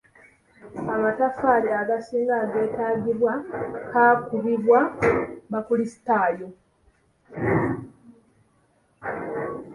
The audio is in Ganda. Amataffaali agasinga ageetaagibwa kaakubibwa bakulisitaayo.